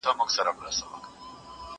پلان د ښوونکي له خوا منظميږي؟!